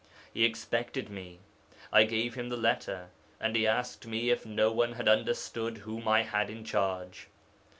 'He expected me. I gave him the letter, and he asked me if no one had understood whom I had in charge.